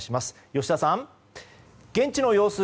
吉田さん、現地の様子